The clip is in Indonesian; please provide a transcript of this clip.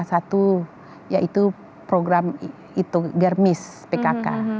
satu yaitu program germis pkk